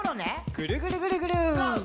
ぐるぐるぐるぐる。